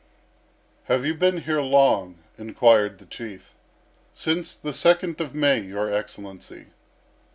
"Have you been here long?" inquired the Chief. "Since the second of May, your Excellency."